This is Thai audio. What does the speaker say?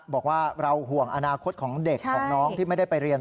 บอกว่าเราห่วงอนาคตของเด็กของน้องที่ไม่ได้ไปเรียน